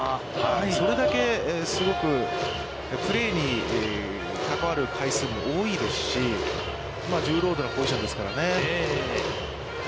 それだけすごくプレーにかかわる回数も多いですし、重労働なポジションですからね。